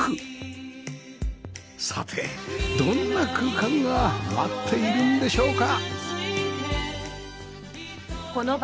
さてどんな空間が待っているんでしょうか？